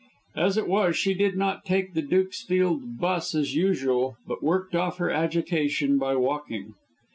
As it was she did not take the Dukesfield 'bus as usual, but worked off her agitation by walking.